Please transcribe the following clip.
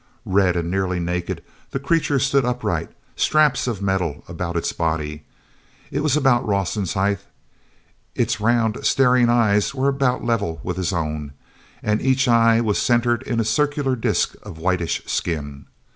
Red and nearly naked, the creature stood upright, straps of metal about its body. It was about Rawson's height; its round, staring eyes were about level with his own, and each eye was centered in a circular disk of whitish skin.